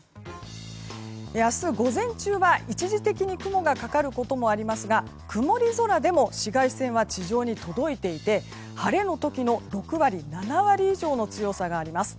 明日、午前中は一時的に雲がかかることもありますが曇り空でも紫外線は地上に届いていて晴れの時の６割７割以上の強さがあります。